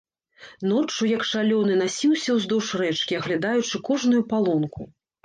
Ноччу як шалёны насіўся ўздоўж рэчкі, аглядаючы кожную палонку.